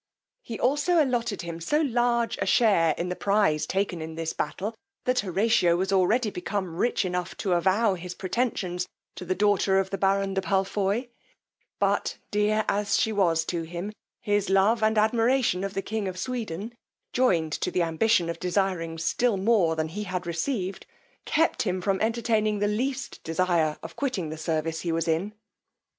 He also allotted him so large a share in the prize taken in this battle, that Horatio was already become rich enough to avow his pretensions to the daughter of the baron de Palfoy; but, dear as she was to him, his love and admiration of the king of Sweden, joined to the ambition of desiring still more than he had received, kept him from entertaining the least desire of quitting the service he was in.